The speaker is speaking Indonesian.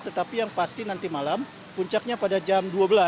tetapi yang pasti nanti malam puncaknya pada jam dua belas